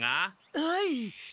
はい。